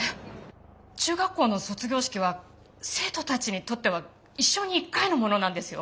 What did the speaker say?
中学校の卒業式は生徒たちにとっては一生に一回のものなんですよ？